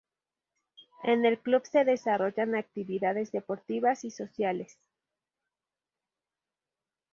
En el club se desarrollan actividades deportivas y sociales.